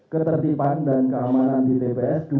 ketertiban dan keamanan di tps